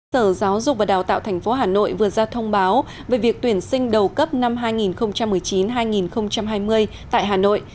sở giáo dục và đào tạo tp hà nội vừa ra thông báo về việc tuyển sinh đầu cấp năm hai nghìn một mươi chín hai nghìn hai mươi tại hà nội